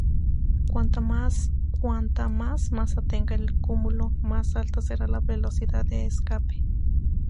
Cuanta más masa tenga el cúmulo más alta será la velocidad de escape.